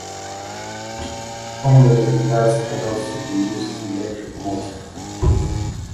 He found that the device could also be used as an electric motor.